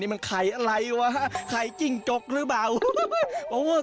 มันไข่อะไรวะไข่จิ้งจกหรือเปล่า